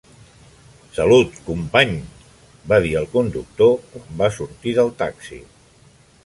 "Salut company" va dir al conductor quan va sortir del taxi.